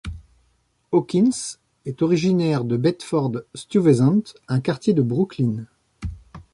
Hawkins est originaire de Bedford Stuyvesant, un quartier de Brooklyn.